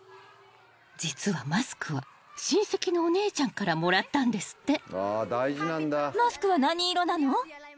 ［実はマスクは親戚のお姉ちゃんからもらったんですって］